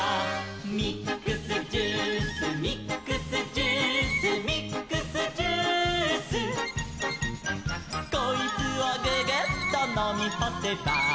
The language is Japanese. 「ミックスジュースミックスジュース」「ミックスジュース」「こいつをググッとのみほせば」